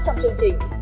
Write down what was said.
trong chương trình